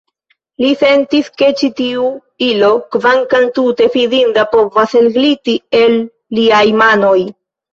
Li sentis, ke ĉi tiu ilo, kvankam tute fidinda, povas elgliti el liaj manoj.